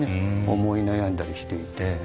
思い悩んだりしていて。